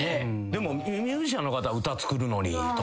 でもミュージシャンの方歌作るのにとかは？